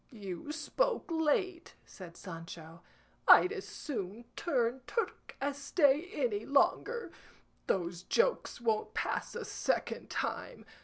"You spoke late," said Sancho. "I'd as soon turn Turk as stay any longer. Those jokes won't pass a second time.